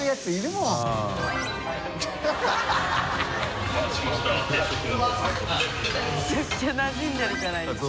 むちゃくちゃなじんでるじゃないですか。